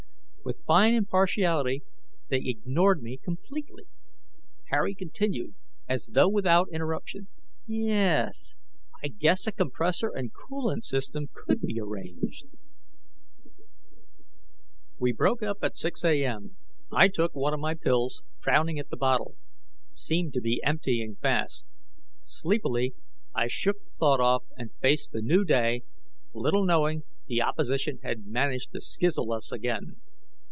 _" With fine impartiality, they ignored me completely. Harry continued, as though without interruption, "Ye es, I guess a compressor and coolant system could be arranged ..."We broke up at 6 A.M. I took one of my pills, frowning at the bottle. Seemed to be emptying fast. Sleepily, I shook the thought off and faced the new day little knowing the opposition had managed to skizzle us again.